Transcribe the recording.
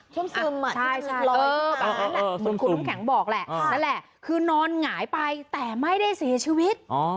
ทุ่มทุมค่ะเหมือนคุณน้องแข็งบอกแหละคือนอนหงายไปแต่ไม่ได้เสียชีวิต